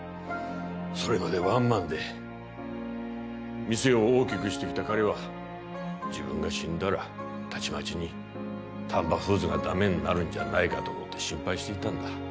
それまでワンマンで店を大きくしてきた彼は自分が死んだらたちまちに丹波フーズが駄目になるんじゃないかと思って心配していたんだ。